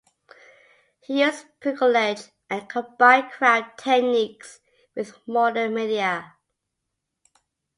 He used bricolage and combined craft techniques with modern media.